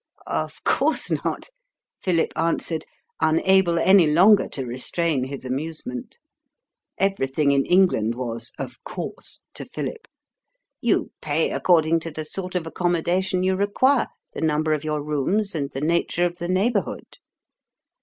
"Of course not," Philip answered, unable any longer to restrain his amusement (everything in England was "of course" to Philip). "You pay according to the sort of accommodation you require, the number of your rooms, and the nature of the neighbourhood."